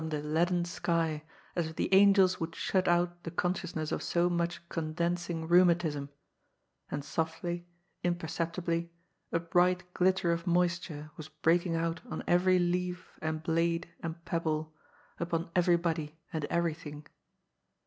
the leaden* sl^, as if the angels would shut out the con sciousness of so ^lifikA condensing rheumatism, and softly, imperceptibr^ a*fcright glitter of moisture was breaking out on every leaf and blade and pebble, upon everybody and everything.